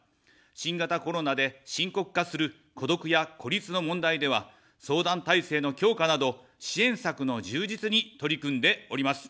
新型コロナで深刻化する孤独や孤立の問題では、相談体制の強化など、支援策の充実に取り組んでおります。